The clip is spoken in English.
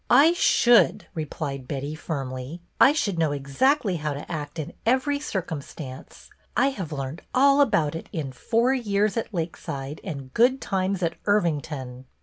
I should," replied Betty, firmly. " I should know exactl}' how to act in every circumstance. I have learned all about it in 'Four Years at Lakeside' and 'Good Times at Irvington.